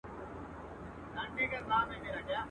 یوه ژبه یې ویل د یوه اېل وه.